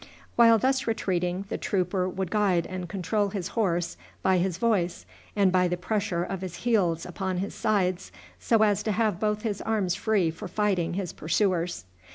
While thus retreating the trooper would guide and control his horse by his voice, and by the pressure of his heels upon his sides, so as to have both his arms free for fighting his pursuers.